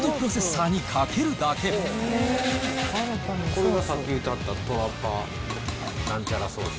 これがさっき言うてはったトラパ何ちゃらソース？